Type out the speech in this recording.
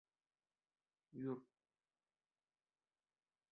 — Yur.